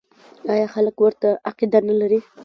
آیا خلک ورته عقیده نلري؟